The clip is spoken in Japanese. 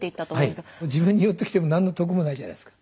自分に寄ってきても何の得もないじゃないですか。